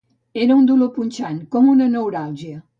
Era un dolor punxant, com una neuràlgia